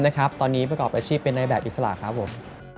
คำนะครับตอนนี้ประกอบประชิปเป็นนายแบบอิสระครับผม